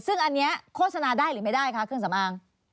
ซึ่งอันนี้โฆษณาได้หรือไม่ได้คะเครื่องสำอาง